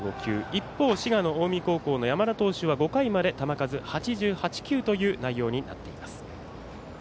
一方、滋賀、近江の山田投手５回まで球数８８球という内容になっています。